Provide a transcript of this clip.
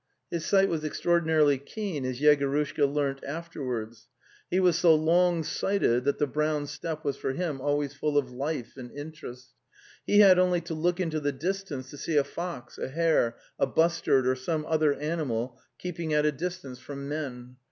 His sight was extraordinarily keen, as Yego rushka learnt afterwards. He was so long sighted that the brown steppe was for him always full of life and interest. He had only to look into the distance to see a fox, a hare, a bustard, or some other animal keeping at a distance from men.